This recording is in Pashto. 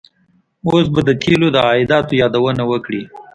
اوس به د تیلو د عایداتو یادونه وکړي.